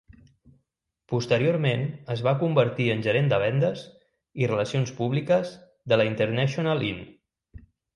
Posteriorment es va convertir en gerent de vendes i relacions públiques de la International Inn.